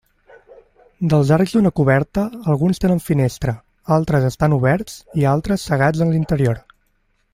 Dels arcs d'una coberta alguns tenen finestra, altres estan oberts i altres cegats en l'interior.